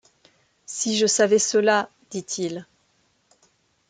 Si je savais cela, dit-il.